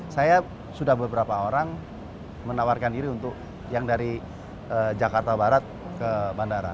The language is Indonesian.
saya sudah beberapa orang menawarkan diri untuk yang dari jakarta barat ke bandara